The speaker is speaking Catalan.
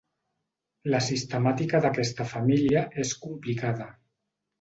La sistemàtica d'aquesta família és complicada.